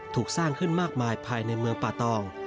ถูกสร้างขึ้นมากมายภายในเมืองป่าตอง